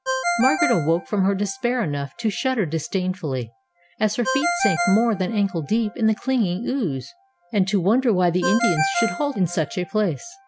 Margaret awoke from her despair enough to shudder disdainfully, as her feet sank more than ankle deep in the clinging ooze, and to wonder why the Indians should halt in such a place.